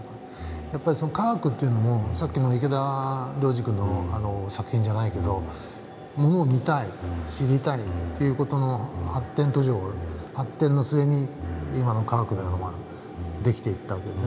やっぱりその科学っていうのもさっきの池田亮司君の作品じゃないけどものを見たい知りたいって事の発展途上発展の末に今の科学のようなものが出来ていったわけですね。